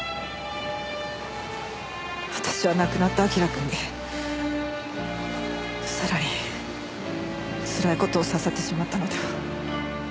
私は亡くなった明君に更につらい事をさせてしまったのでは。